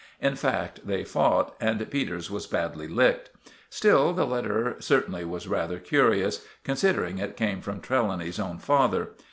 In fact, they fought, and Peters was badly licked. Still, the letter certainly was rather curious, considering it came from Trelawny's own father.